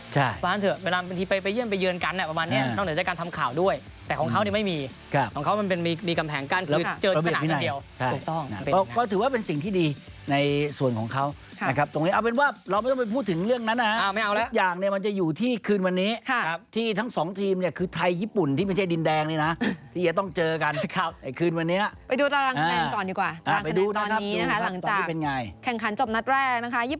จะได้การทำข่าวด้วยแต่ของเขานี่ไม่มีของเขามันมีกำแพงกันคือเจอขนาดนั้นเดียวก็ถือว่าเป็นสิ่งที่ดีในส่วนของเขานะครับตรงนี้เอาเป็นว่าเราไม่ต้องไปพูดถึงเรื่องนั้นนะฮะทุกอย่างมันจะอยู่ที่คืนวันนี้ที่ทั้งสองทีมเนี่ยคือไทยญี่ปุ่นที่ไม่ใช่ดินแดงนี้นะที่เยอะต้องเจอกันในคืนวันนี้ไปดูตรงคะแนนต